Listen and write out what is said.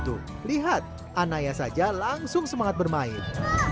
tuh lihat anaya saja langsung semangat bermain